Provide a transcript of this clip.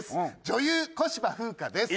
女優小芝風花です。